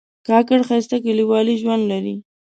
کاکړ ښایسته کلیوالي ژوند لري.